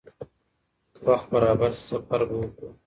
که وخت برابر شي، سفر به وکړو.